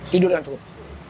tidur yang cukup